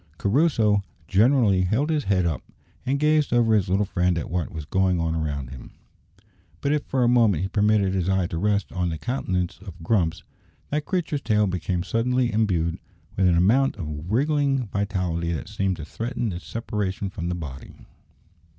Crusoe generally held his head up, and gazed over his little friend at what was going on around him; but if for a moment he permitted his eye to rest on the countenance of Grumps, that creature's tail became suddenly imbued with an amount of wriggling vitality that seemed to threaten its separation from the body.